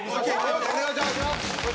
お願いします！